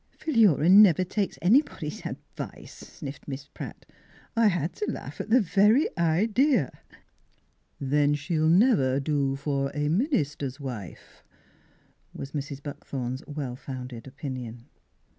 Philura never takes anybody's ad vice," sniffed Miss Pratt. " I had t' laugh at the very idea! "" Then she'll never do for a minister's wife," was Mrs. Buckthorn's well founded opinion.